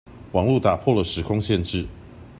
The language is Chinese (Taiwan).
網路打破了時空限制